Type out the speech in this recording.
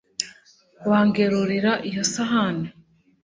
Wangerurira iyo sahani